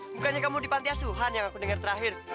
bukannya kamu di pantai asuhan yang aku dengar terakhir